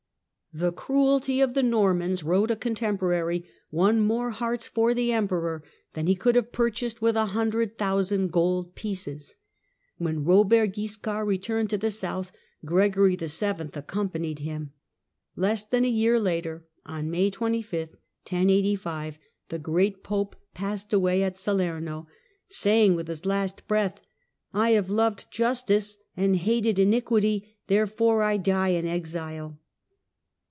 The cruelty of the Normans, wrote a contemporary, won more hearts for the Emperor than he could have purchased with a hundred thousand gold pieces. When Eobert Guiscard returned to the south, Gregory VII. accompanied hira. Less than a year later, on May 25, 1085, the great Pope passed away at Salerno, saying with his last breath :— "I have loved justice and hated iniquity, therefore I die in exile."